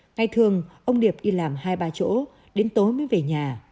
ngày thường ông điệp đi làm hai ba chỗ đến tối mới về nhà